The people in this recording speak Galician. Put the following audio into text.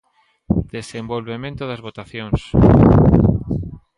Desenvolvemento das votacións.